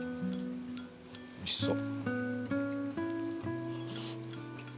おいしそう。